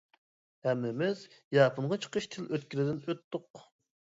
ھەممىمىز ياپونغا چىقىش تىل ئۆتكىلىدىن ئۆتتۇق.